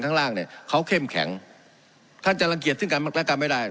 ข้างล่างเนี่ยเขาเข้มแข็งถ้าจะลังเกียจซึ่งการบัตรการไม่ได้